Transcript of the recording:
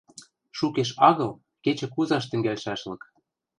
Шукеш агыл кечӹ кузаш тӹнгӓлшӓшлык.